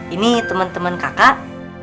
ini temen temen kakak